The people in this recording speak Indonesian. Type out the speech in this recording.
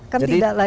kan tidak lagi